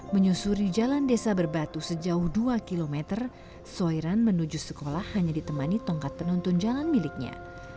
menyusuri jalan desa berbatu sejauh dua km soiran menuju sekolah hanya ditemani tongkat penonton jalan miliknya